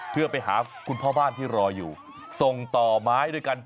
เพื่อไปหาคุณพ่อบ้านที่รออยู่ส่งต่อไม้ด้วยกัน